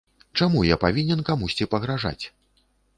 Чаму я павінен камусьці пагражаць?